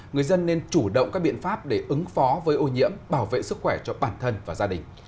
người dân nên chủ động các biện pháp để ứng phó với ô nhiễm bảo vệ sức khỏe cho bản thân và gia đình